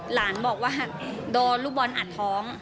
หลานบอกว่าโดนลูกบอลอัดท้อง